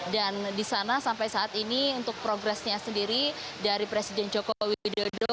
dan di sana sampai saat ini untuk progresnya sendiri dari presiden joko widodo